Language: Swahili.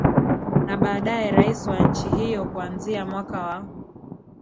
Na baadae Rais wa nchi hiyo kuanzia mwaka wa